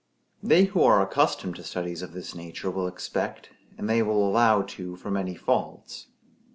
They who are accustomed to studies of this nature will expect, and they will allow too for many faults.